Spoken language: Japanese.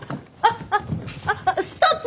あっあっストップ！